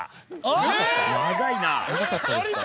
長かったですか？